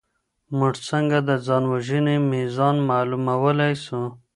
موږ څنګه د ځان وژنې ميزان معلومولی سو؟